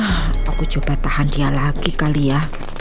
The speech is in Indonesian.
aku coba tahan dia lagi kali ya